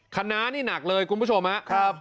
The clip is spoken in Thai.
คณะนี่หนักเลยคุณผู้ชมครับ